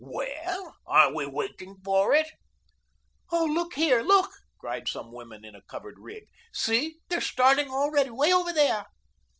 "Well, aren't we WAITING for it?" "Oh, look, look," cried some women in a covered rig. "See, they are starting already 'way over there."